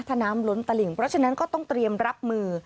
ถ้าน้ำล้นตลิ่งเพราะฉะนั้นก็ต้องเตรียมรับมือ